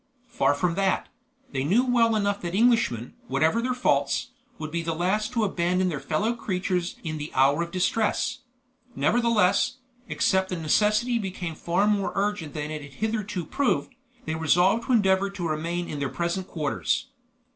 Far from that; they knew well enough that Englishmen, whatever their faults, would be the last to abandon their fellow creatures in the hour of distress. Nevertheless, except the necessity became far more urgent than it had hitherto proved, they resolved to endeavor to remain in their present quarters.